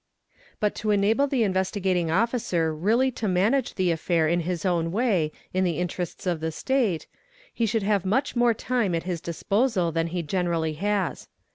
But to enable the tt vestigating Officer really to manage the affair in his own way in the nterests of the State, he should have much more time at his disposal han he generally has.